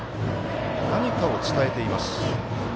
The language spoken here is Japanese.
何かを伝えています。